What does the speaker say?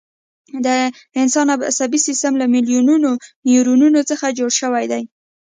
د انسان عصبي سیستم له میلیونونو نیورونونو څخه جوړ شوی دی.